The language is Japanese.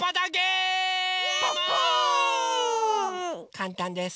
かんたんです。